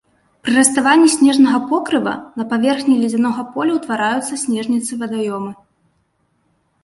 Пры раставанні снежнага покрыва на паверхні ледзянога поля ўтвараюцца снежніцы-вадаёмы.